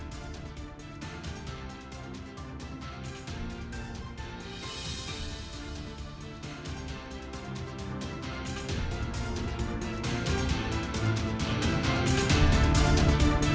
terima kasih pak soni